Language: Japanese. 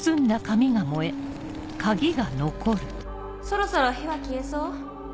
そろそろ火は消えそう？